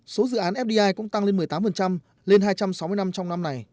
số dự án fdi cũng tăng lên một mươi tám lên hai trăm sáu mươi năm trong năm này